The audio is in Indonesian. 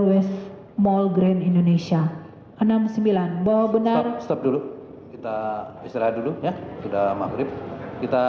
waste mall grand indonesia enam puluh sembilan bawa benar stop dulu kita istirahat dulu ya sudah maghrib kita